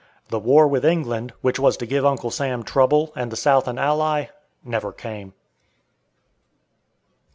The "war with England," which was to give Uncle Sam trouble and the South an ally, never came.